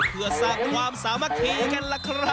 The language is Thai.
เพื่อสร้างความสามัคคีกันล่ะครับ